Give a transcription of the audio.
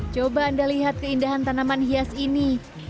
coba anda lihat keindahan tanaman hias ini